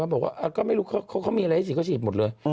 บอกว่าก็ไม่รู้เขามีอะไรให้ฉีดเขาฉีดหมดเลย